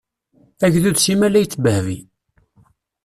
Agdud simmal a yettbehbi.